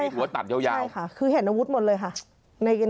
หัวตัดยาวใช่ค่ะคือเห็นอาวุธหมดเลยค่ะ